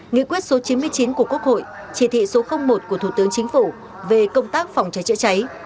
nghị quyết số chín mươi chín của quốc hội chỉ thị số một của thủ tướng chính phủ về công tác phòng cháy chữa cháy